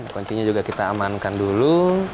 kunci nya juga kita amankan dulu